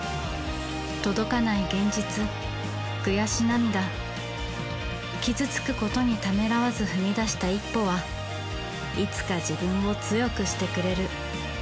届かない現実悔し涙。傷つくことにためらわず踏み出した一歩はいつか自分を強くしてくれる。